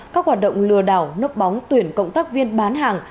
các hoạt động lừa đảo nấp bóng tuyển cộng tác viên bán hàng